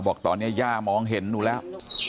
บอกตอนนี้ย่ามองเห็นหนูแล้ว